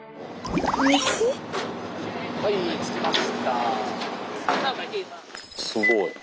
はい着きました。